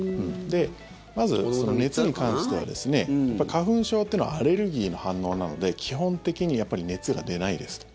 まず、熱に関しては花粉症というのはアレルギーの反応なので基本的に熱が出ないです。